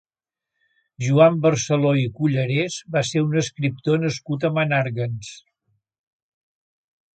Joan Barceló i Cullerés va ser un escriptor nascut a Menàrguens.